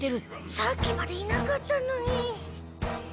さっきまでいなかったのに。